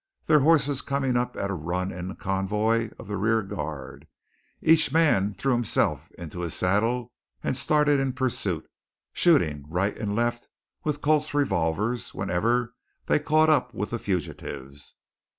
Their horses coming up at a run in convoy of the rear guard, each man threw himself into his saddle and started in pursuit, shooting right and left with the Colt's revolvers whenever they caught up with the fugitives.